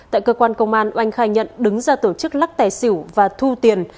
tại cơ quan công an oanh khai nhận đứng ra tổ chức lắc tài xỉu và thu tiền